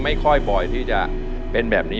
ไม่ค่อยบ่อยที่จะเป็นแบบนี้